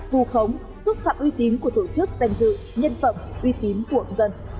thu khống xúc phạm uy tín của tổ chức danh dự nhân phẩm uy tín của dân